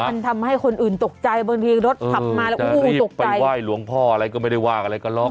มันทำให้คนอื่นตกใจบางทีรถถับมาแล้วอู้ตกใจจะรีบไปไหว้หลวงพ่ออะไรก็ไม่ได้ไหว้กับอะไรก็หรอก